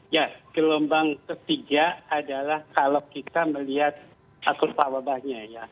ya gelombang ketiga adalah kalau kita melihat akur pahwa bahnya ya